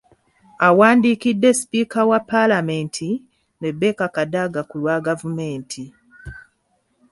Awandiikidde Sipiika wa Palamenti, Rebecca Kadaga ku lwa gavumenti